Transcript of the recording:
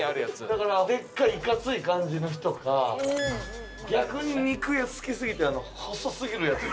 だからでっかいいかつい感じの人か逆に肉好きすぎて細すぎるヤツ。